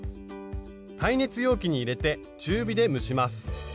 耐熱容器に入れて中火で蒸します。